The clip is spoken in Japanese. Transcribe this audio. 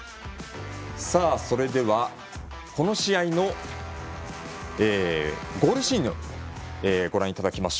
それでは、この試合のゴールシーンをご覧いただきます。